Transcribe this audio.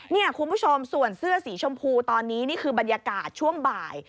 นี่คุณผู้ชมส่วนเสื้อสีชมพูตอนนี้นี่คือบรรยากาศช่วงบ่าย